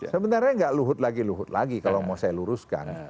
sebenarnya nggak luhut lagi luhut lagi kalau mau saya luruskan